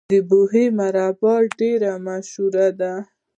د بیحي مربا ډیره مشهوره ده.